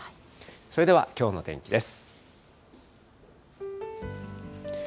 それではきょうの天気です。